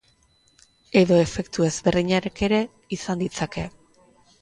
Edo efektu ezberdinak ere izan ditzake.